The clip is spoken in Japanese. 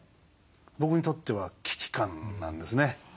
僕にとっては危機感なんですね。